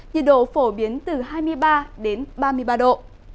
nhiệt độ phổ biến từ hai mươi ba đến ba mươi ba độ